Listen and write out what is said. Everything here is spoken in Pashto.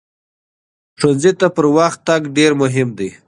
ښوونځي ته پر وخت تګ ډېر مهم دی.